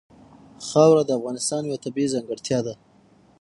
خاوره د افغانستان یوه طبیعي ځانګړتیا ده.